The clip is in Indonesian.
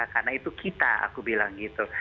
karena itu kita aku bilang gitu